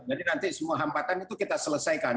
jadi nanti semua hambatan itu kita selesaikan